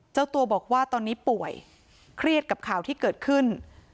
เจ้าตัวบอกว่าตอนนี้ป่วยเครียดกับข่าวที่เกิดขึ้น